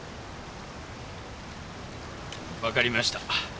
わかりました。